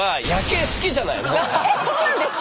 えっそうなんですか？